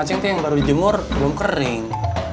in provinsi jemur belum kering